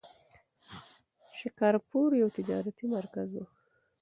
شکارپور یو تجارتي مرکز و.